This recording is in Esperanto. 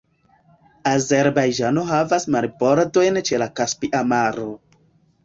Azerbajĝano havas marbordojn ĉe la Kaspia Maro.